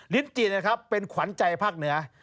ลิ้นจีนะครับเป็นขวัญใจภาคเหนือ